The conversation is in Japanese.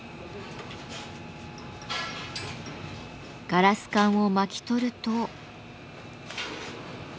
ガラス管を巻き取ると。